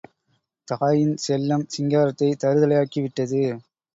தாயின் செல்லம் சிங்காரத்தைத் தறுதலையாக்கி விட்டது.